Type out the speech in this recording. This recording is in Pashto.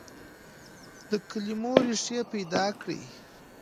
د کلمو ريښې پيدا کړئ.